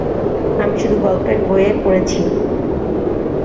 আমি শুধু গল্পের বইয়ে পড়েছি।